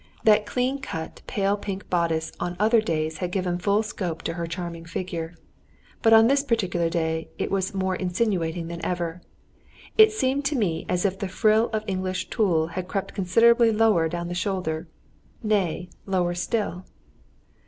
That clean cut, pale pink bodice on other days had given full scope to her charming figure; but on this particular day it was more insinuating than ever. It seemed to me as if the frill of English tulle had crept considerably lower down the shoulder, nay, lower still.